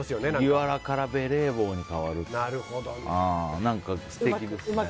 麦わらからベレー帽に変わる素敵ですね。